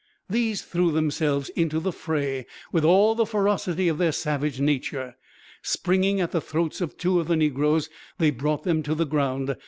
These threw themselves into the fray, with all the ferocity of their savage nature. Springing at the throats of two of the negroes, they brought them to the ground.